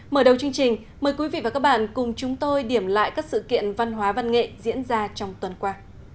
mở đầu chương trình mời quý vị và các bạn cùng chúng tôi điểm lại các sự kiện văn hóa văn nghệ diễn ra trong tuần qua